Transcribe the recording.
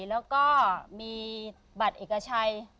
แล้วก็มีบัตรเอกชัย